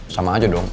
sama aja dong